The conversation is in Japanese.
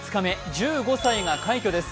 １５歳が快挙です。